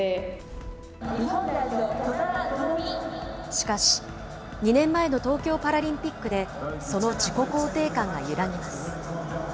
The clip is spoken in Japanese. しかし、２年前の東京パラリンピックで、その自己肯定感が揺らぎます。